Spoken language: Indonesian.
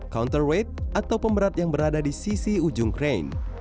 counterweight atau pemberat yang berada di sisi ujung crane